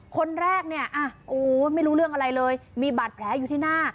คนแรกเนี่ยโอ้ไม่รู้เรื่องอะไรเลยมีบาดแผลอยู่ที่หน้า